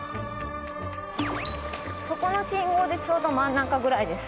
そこの信号でちょうど真ん中くらいです。